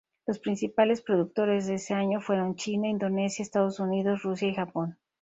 Los principales productores en ese año fueron China, Indonesia, Estados Unidos, Rusia y Japón..